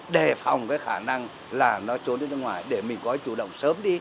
đề phòng cái khả năng là nó trốn đến nước ngoài để mình có chủ động sớm đi